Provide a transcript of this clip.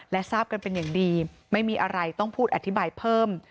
และทราบกันเป็นอย่างดีไม่มีอะไรต้องพูดอธิบายเพิ่ม